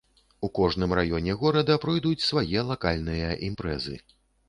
У кожным раёне горада пройдуць свае лакальныя імпрэзы.